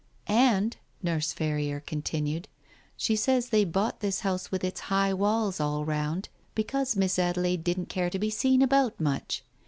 "And," Nurse Ferrier continued, "she says they bought this house with its high walls all round, because Miss Adelaide didn't care to be seen about much.